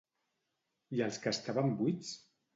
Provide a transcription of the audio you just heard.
I els que estaven buits?